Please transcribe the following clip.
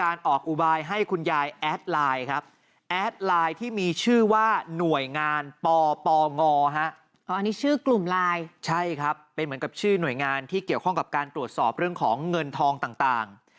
เรื่องของเงินทองต่าง